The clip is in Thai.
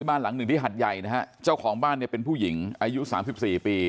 บ้านหลังหนึ่งที่หัดใหญ่นะฮะเจ้าของบ้านเนี่ยเป็นผู้หญิงอายุสามสิบสี่ปี